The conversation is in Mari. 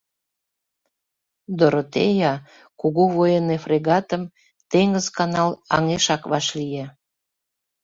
“Доротея” кугу военный фрегатым Теҥыз канал аҥешак вашлие.